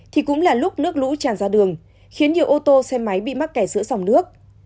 thì cũng là lúc nước lũ tràn ra đường khiến nhiều ô tô xe máy bị mắc kẹt giữa dòng nước